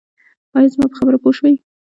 ایا زما په خبره پوه شوئ؟